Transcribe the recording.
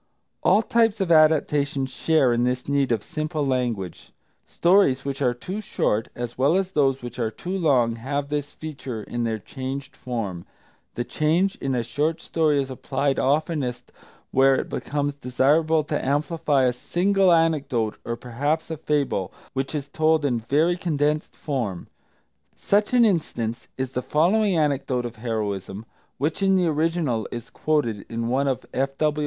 All types of adaptation share in this need of simple language, stories which are too short, as well as those which are too long, have this feature in their changed form. The change in a short story is applied oftenest where it becomes desirable to amplify a single anecdote, or perhaps a fable, which is told in very condensed form. Such an instance is the following anecdote of heroism, which in the original is quoted in one of F.W.